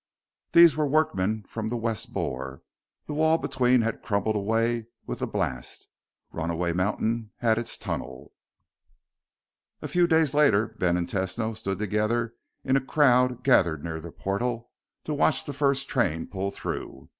These were workmen from the west bore. The wall between had crumbled away with the blast. Runaway Mountain had its tunnel. A few days later, Ben and Tesno stood together in a crowd gathered near the portal to watch the first train pull through.